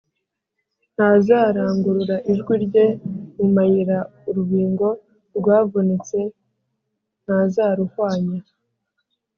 ntazarangurura ijwi rye mu mayira urubingo rwavunitse ntazaruhwanya